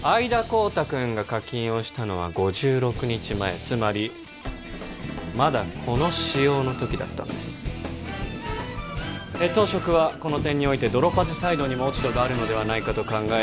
孝多君が課金をしたのは５６日前つまりまだこの仕様の時だったんです当職はこの点においてドロパズサイドにも落ち度があるのではないかと考え